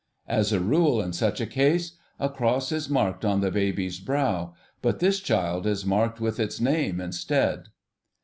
As a rule in such a case, a cross is marked on the baby's brow, but this child is marked with its name instead.